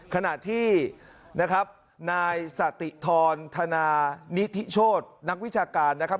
ขณะที่นะครับนายสติธรธนานิธิโชธนักวิชาการนะครับ